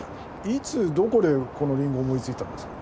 ・いつどこでこのりんごを思いついたんですか？